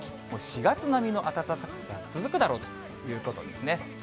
もう４月並みの暖かさが続くだろうということですね。